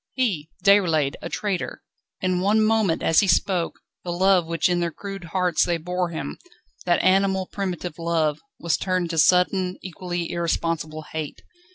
He, Déroulède, a traitor! In one moment, as he spoke, the love which in their crude hearts they bore him, that animal primitive love, was turned to sudden, equally irresponsible hate.